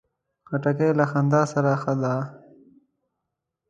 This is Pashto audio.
خټکی له خندا سره ښه ده.